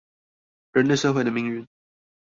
人類社會的命運